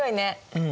うん。